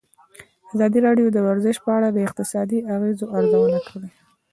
ازادي راډیو د ورزش په اړه د اقتصادي اغېزو ارزونه کړې.